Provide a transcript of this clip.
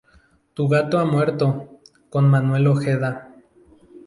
Tu gato ha muerto" con Manuel Ojeda.